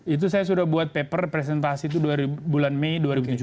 itu saya sudah buat paper presentasi itu bulan mei dua ribu tujuh belas